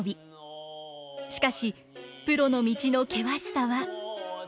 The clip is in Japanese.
しかしプロの道の険しさは。